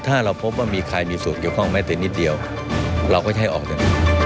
ถ้าเราพบว่ามีใครมีส่วนเกี่ยวข้องแม้แต่นิดเดียวเราก็จะให้ออกจาก